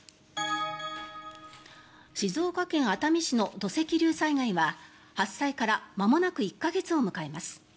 静岡県熱海市の土石流災害は発災からまもなく１か月を迎えます。